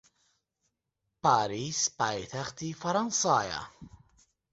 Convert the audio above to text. پاریس پایتەختی فەڕەنسایە.